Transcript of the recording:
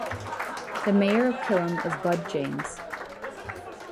The mayor of Killam is Bud James.